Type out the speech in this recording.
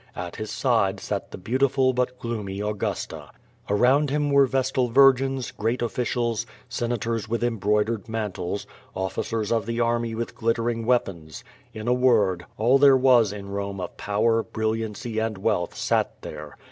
At his side sat the beautiful but gloomy Augusta. Around him were vestal virgins, great officials. Senators with embroidered mantles, officers of the army with glittering weapons. In a word, all there was in Kome of power, bril liancy and wealth sat there.